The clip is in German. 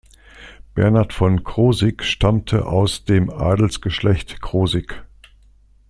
Bernhard von Krosigk stammte aus dem Adelsgeschlecht Krosigk.